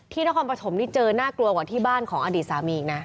นครปฐมนี่เจอน่ากลัวกว่าที่บ้านของอดีตสามีอีกนะ